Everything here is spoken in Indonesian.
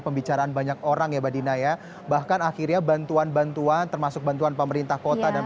pembicaraan banyak orang ya badina ya bahkan akhirnya bantuan bantuan termasuk bantuan pemerintah kota dan